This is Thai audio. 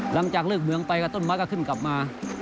หลังจากคิกเบืองไปต้นมักก็ขึ้นกลับมา